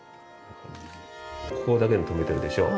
ここだけで止めてるでしょ？